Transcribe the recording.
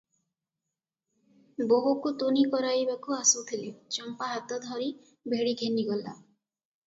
ବୋହୂକୁ ତୁନି କରାଇବାକୁ ଆସୁଥିଲେ, ଚମ୍ପା ହାତ ଧରି ଭିଡ଼ି ଘେନିଗଲା ।